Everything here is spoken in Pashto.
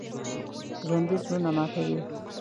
ژوندي زړونه ماتوي